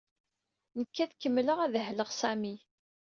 Nekk ad kemmleɣ ad dehleɣ Sami.